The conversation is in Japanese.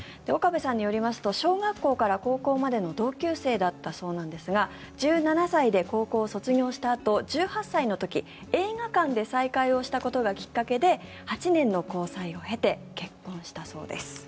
岡部さんによりますと小学校から高校までの同級生だったそうなんですが１７歳で高校を卒業したあと１８歳の時映画館で再会をしたことがきっかけで８年の交際を経て結婚したそうです。